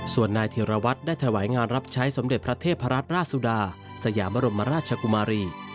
ส่วนนายธิรวัตรได้ถวายงานรับใช้สมเด็จพระเทพรัตนราชสุดาสยามบรมราชกุมารี